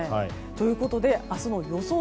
ということで明日の予想